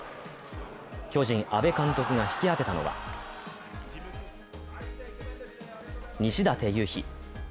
巨人・阿部監督が引き当てたのは西舘勇陽。